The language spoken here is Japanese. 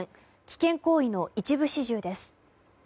危険行為の一部始終です。